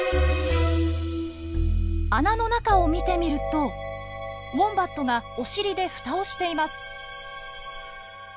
穴の中を見てみるとウォンバットがおしりでフタをしています。